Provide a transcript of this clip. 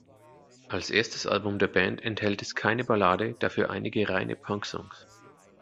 Als erstes Album der Band enthält es keine Ballade, dafür einige reine Punk-Songs.